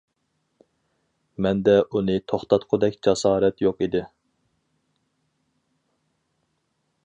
مەندە ئۇنى توختاتقۇدەك جاسارەت يوق ئىدى.